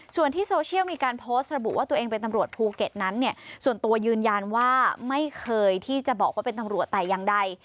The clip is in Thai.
ส่วนที่โซเชียลมีการโพสต์ระบุว่าตัวเองเป็นตำรวจภูเก็ตนั้นเนี่ยส่วนตัวยืนยันว่าไม่เคยที่จะบอกว่าเป็นตำรวจแต่อย่างใด